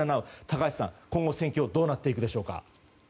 高橋さん、今後の戦況はどうなっていくでしょうか。